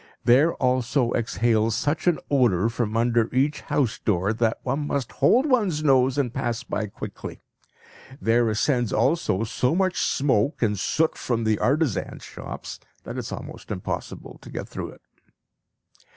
There also exhales such an odour from under each house door, that one must hold one's nose and pass by quickly. There ascends also so much smoke and soot from the artisans' shops that it is almost impossible to get through it.